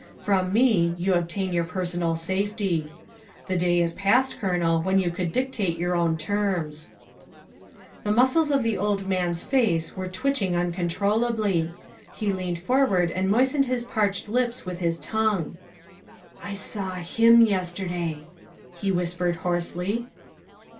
From me you obtain your personal safety. The day is past, Colonel, when you could dictate your own terms. '' The muscles of the old man's face were twitching uncontrollably. He leaned forward and moistened his parched lips with his tongue. " I saw him yesterday," he whispered hoarsely.